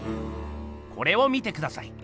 これを見てください。